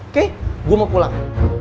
oke gua mau pulang